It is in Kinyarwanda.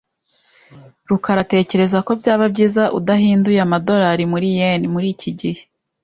rukara atekereza ko byaba byiza udahinduye amadorari muri yen muri iki gihe .